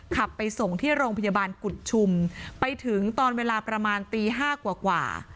ขับไปส่งที่โรงพยาบาลกุฎชุมไปถึงตอนเวลาประมาณตีห้ากว่า